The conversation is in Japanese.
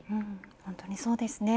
本当にそうですね。